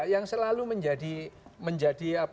yang selalu menjadi